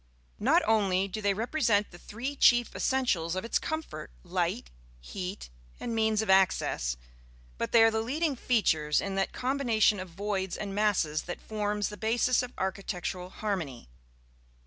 Not only do they represent the three chief essentials of its comfort, light, heat and means of access, but they are the leading features in that combination of voids and masses that forms the basis of architectural harmony.